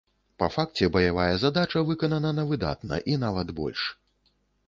Па факце баявая задача выканана на выдатна і нават больш.